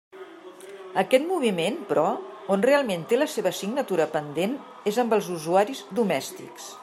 Aquest moviment, però, on realment té la seva assignatura pendent és amb els usuaris domèstics.